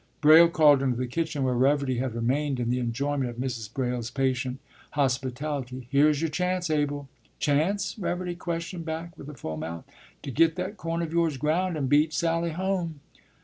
Braile called into the kitchen where Reverdy had remained in the enjoyment of Mrs. Braile's patient hospitality, “Here's your chance, Abel!” “Chance?” Reverdy questioned back with a full mouth. “To get that corn of yours ground, and beat Sally home.